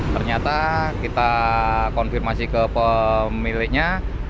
ternyata kita konfirmasi ke pemiliknya